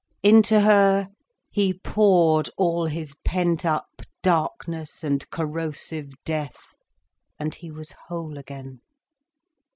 Into her he poured all his pent up darkness and corrosive death, and he was whole again.